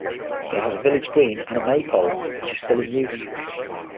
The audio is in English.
It has a village green and a maypole, which is still in use.